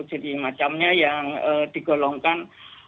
jadi macamnya yang digolongkan